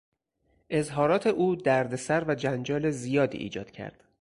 اظهارات او دردسر و جنجال زیادی ایجاد کرد.